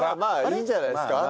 いいんじゃないですか？